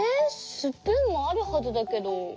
スプーンもあるはずだけど。